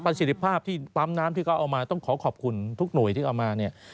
ผสิทธิภาพตามน้ำที่ก็เอามาต้องขอขอบคุณทุกหน่วยที่แสดงมา๑๐๑๐๐๐๐